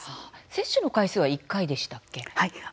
接種の回数は１回でしたっけ？